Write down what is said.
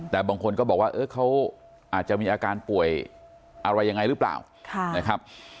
แต่บางคนก็บอกว่าเขาอาจจะมีอาการป่วยอะไรยังไงหรือเปล่านะครับ